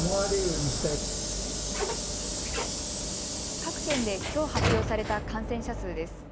各県できょう発表された感染者数です。